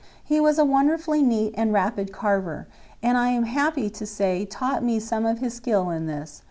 He was a wonderfully neat and rapid carver, and I am happy to say taught me some of his skill in this.